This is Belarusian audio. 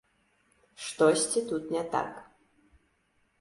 Штосьці тут не так.